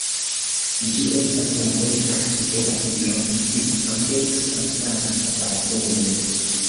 Ĝi estas la plej parto de la iom pli ampleksa Plata Baseno.